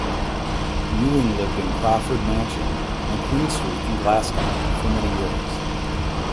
Ewing lived in Crawford mansion on Queen Street in Glasgow for many years.